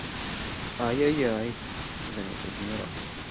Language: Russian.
«Ай, ай, ай! – заметил генерал.